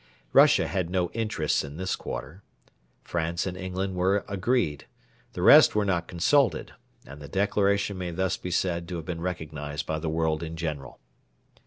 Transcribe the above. Russia had no interests in this quarter. France and England were agreed. The rest were not consulted: and the Declaration may thus be said to have been recognised by the world in general.